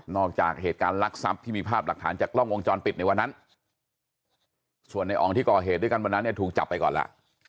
จากเหตุการณ์ลักษัพที่มีภาพหลักฐานจากกล้องวงจรปิดในวันนั้นส่วนในอ๋องที่ก่อเหตุด้วยกันวันนั้นเนี่ยถูกจับไปก่อนล่ะ